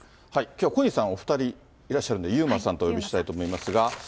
きょう、小西さんお２人いらっしゃるんで、遊馬さんとお呼びしたいと思いますが。